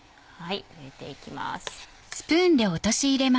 入れていきます。